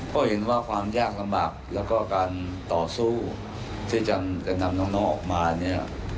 ก็เห็นว่าความยากลำบากแล้วก็การต่อสู้ที่จะนำน้องออกมาเนี่ย